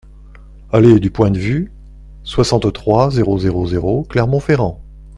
Allée du Point de Vue, soixante-trois, zéro zéro zéro Clermont-Ferrand